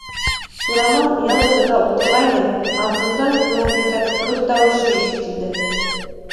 Сураман ял итергә ултырғайны, артында Ҡуянбикәнең көр тауышы ишетелде.